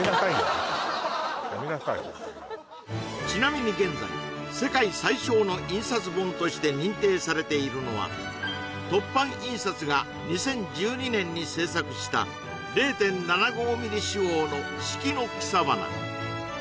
ホントにもうちなみに現在世界最小の印刷本として認定されているのは凸版印刷が２０１２年に製作した０．７５ｍｍ四方の「四季の草花」